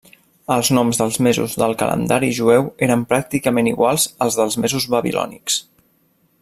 Els noms dels mesos del calendari jueu eren pràcticament iguals als dels mesos babilònics.